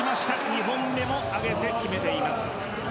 ２本目も上げて決めています。